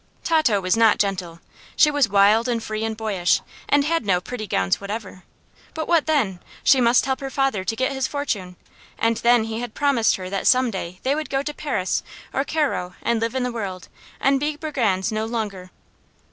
Tato was not gentle. She was wild and free and boyish, and had no pretty gowns whatever. But what then? She must help her father to get his fortune, and then he had promised her that some day they would go to Paris or Cairo and live in the world, and be brigands no longer.